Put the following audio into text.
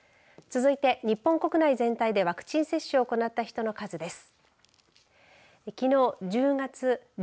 続いて、日本国内全体でワクチン接種を行った人の数です。